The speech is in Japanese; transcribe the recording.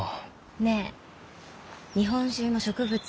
ねえ日本中の植物